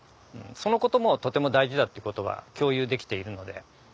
そのこともとても大事だっていうことは共有できているので。